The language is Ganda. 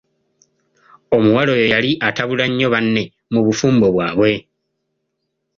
Omuwala oyo yali atabula nnyo banne mu bufumbo bwabwe.